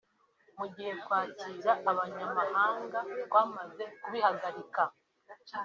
Mu gihe kwakira abanyamahanga twamaze kubihagarika